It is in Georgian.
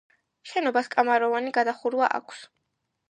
შენობას კამაროვანი გადახურვა აქვს.